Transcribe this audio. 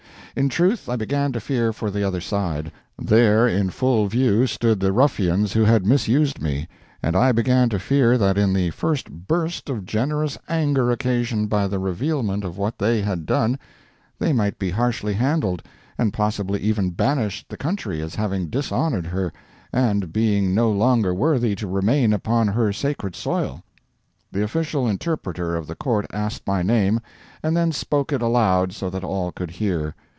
In truth I began to fear for the other side. There in full view stood the ruffians who had misused me, and I began to fear that in the first burst of generous anger occasioned by the revealment of what they had done, they might be harshly handled, and possibly even banished the country as having dishonored her and being no longer worthy to remain upon her sacred soil. The official interpreter of the court asked my name, and then spoke it aloud so that all could hear.